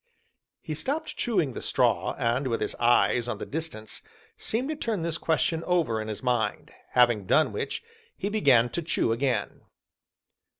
He stopped chewing the straw, and with his eyes on the distance, seemed to turn this question over in his mind; having done which, he began to chew again.